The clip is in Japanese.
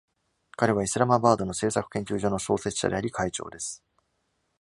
彼はイスラマバードの政策研究所の創設者であり会長です。